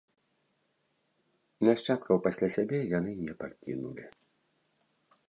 Нашчадкаў пасля сябе яны не пакінулі.